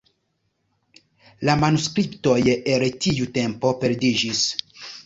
La manuskriptoj el tiu tempo perdiĝis.